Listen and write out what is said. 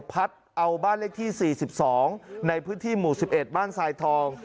พัดเอาบ้านเลขที่๔๒ในพื้นที่หมู่๑๑บ้านทรายทอง